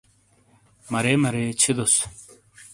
مَرے مَرے چھِیدوسوں۔